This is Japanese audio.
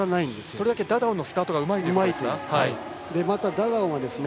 それだけダダオンのスタートがうまいということですね。